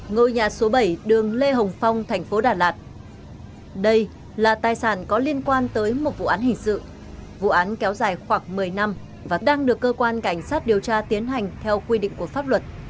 ngôi nhà số bảy đường lê hồng phong thành phố đà lạt đây là tài sản có liên quan tới một vụ án hình sự vụ án kéo dài khoảng một mươi năm và đang được cơ quan cảnh sát điều tra tiến hành theo quy định của pháp luật